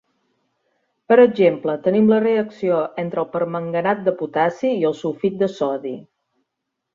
Per exemple, tenim la reacció entre el permanganat de potassi i el sulfit de sodi.